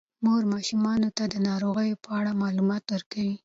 مور ماشومانو ته د ناروغیو په اړه معلومات ورکوي.